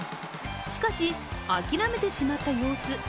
しかし、諦めてしまった様子。